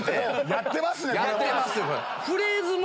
やってますよ！